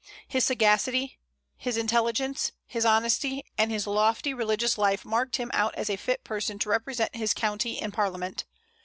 His sagacity, his intelligence, his honesty, and his lofty religious life marked him out as a fit person to represent his county in parliament.